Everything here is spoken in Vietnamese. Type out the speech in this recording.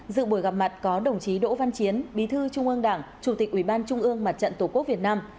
dự buổi gặp mặt có đồng chí đỗ văn chiến bí thư trung ương đảng chủ tịch ủy ban trung ương mặt trận tổ quốc việt nam